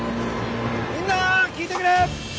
みんな聞いてくれ！